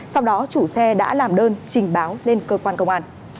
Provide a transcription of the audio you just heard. sau đó chủ xe đã làm đơn trình báo lên cơ quan công an